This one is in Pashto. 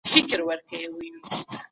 ورک مي پر لار د انتظار کړله زلمي کلونه